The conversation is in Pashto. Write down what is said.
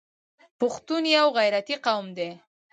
پښتون یو غیرتي قوم دی.